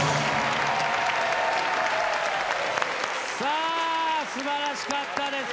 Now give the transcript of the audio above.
さあ素晴らしかったです。